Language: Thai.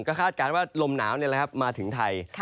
ก็คาดการณ์ว่าลมหนาวเนี่ยนะครับมาถึงไทย